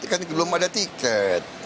kan belum ada tiket